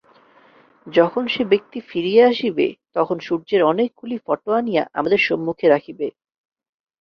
যখন সে ব্যক্তি ফিরিয়া আসিবে, তখন সূর্যের অনেকগুলি ফটো আনিয়া আমাদের সম্মুখে রাখিবে।